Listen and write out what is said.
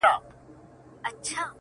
مخ ځيني واړوه ته!!